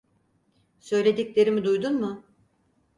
Söylediklerimi duydun mu?